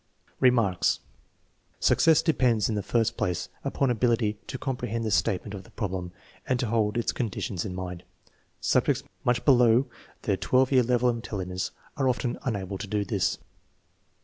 Remarks. Success depends, in the first place, upon abil ity to comprehend the statement of the problem and to hold its conditions in mind. Subjects much below the 12 year level of intelligence are often unable to do this.